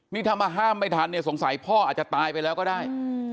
นี่ถ้ามาห้ามไม่ทันเนี่ยสงสัยพ่ออาจจะตายไปแล้วก็ได้